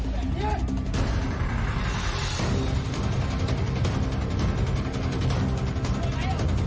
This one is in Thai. มันไม่ได้